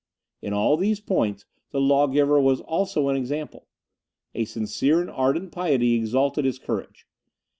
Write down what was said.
In all these points the lawgiver was also an example. A sincere and ardent piety exalted his courage.